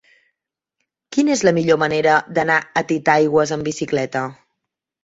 Quina és la millor manera d'anar a Titaigües amb bicicleta?